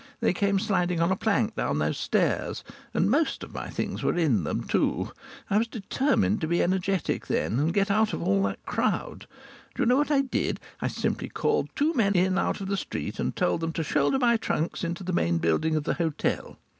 They came sliding on a plank down those stairs. And most of my things were in them too. I was determined to be energetic then, and to get out of all that crowd. Do you know what I did? I simply called two men in out of the street, and told them to shoulder my trunks into the main building of the hotel.